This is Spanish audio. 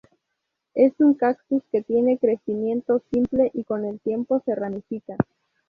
Es un cactus que tiene crecimiento simple y con el tiempo se ramifica.